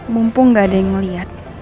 mumpung gak ada yang melihat